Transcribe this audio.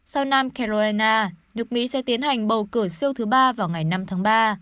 sau nam carolina được mỹ sẽ tiến hành bầu cử siêu thứ ba vào ngày năm tháng ba